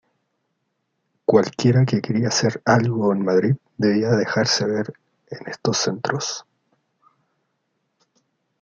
Cualquiera que quería ser algo en Madrid debía dejarse ver en estos centros.